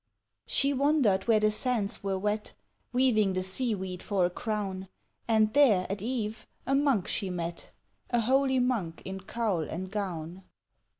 She wandered where the sands were wet, Weaving the sea weed for a crown, And there at eve a monk she met A holy monk in cowl and gown.